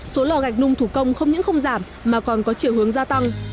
số lò gạch nung thủ công không những không giảm mà còn có chiều hướng gia tăng